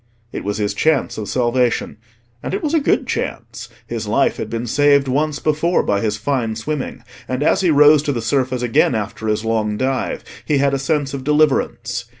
It was his chance of salvation; and it was a good chance. His life had been saved once before by his fine swimming, and as he rose to the surface again after his long dive he had a sense of deliverance.